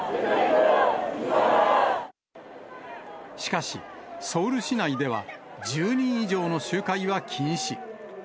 しかし、ソウル市内では、１０人以上の集会は禁止。